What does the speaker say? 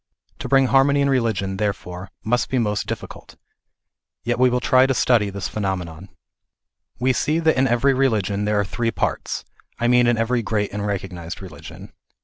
To bring harmony in religion, therefore, must be most difficult. Yet we will try to study this phenomenon. We see that in every religion there are three parts ŌĆö I mean in every great and recognized religion.